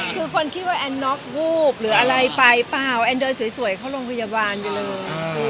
คือคนคิดว่าแอนน็อกวูบหรืออะไรไปเปล่าแอนเดินสวยเข้าโรงพยาบาลอยู่เลย